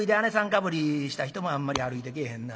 かぶりした人もあんまり歩いてけえへんな。